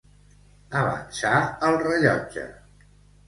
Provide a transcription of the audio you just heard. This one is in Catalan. Avançar el rellotge.